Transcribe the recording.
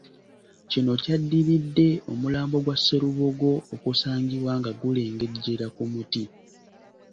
Kino kyaddiridde omulambo gwa Sserubogo okusangibwa nga gulengejjera ku muti.